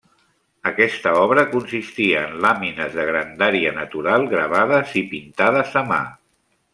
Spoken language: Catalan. Aquesta obra consistia en làmines de grandària natural gravades i pintades a mà.